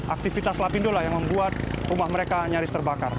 aktivitas lapindo lah yang membuat rumah mereka nyaris terbakar